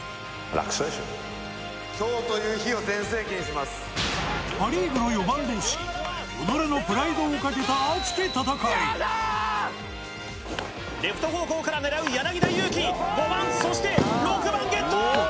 楽勝でしょパ・リーグの４番同士己のプライドをかけた熱き戦いレフト方向から狙う柳田悠岐５番そして６番ゲット